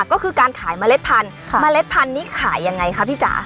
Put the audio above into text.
ก็คือการขายเมล็ดพันธุ์เมล็ดพันธุ์นี้ขายยังไงคะพี่จ๋า